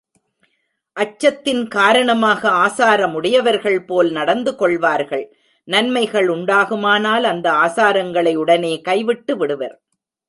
அச்சத்தின் காரணமாக ஆசாரம் உடையவர்கள்போல் நடந்துகொள்வார்கள் நன்மைகள் உண்டாகுமானால் அந்த ஆசாரங்களை உடனே கைவிட்டுவிடுவர்.